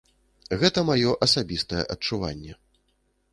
Гэта маё асабістае адчуванне.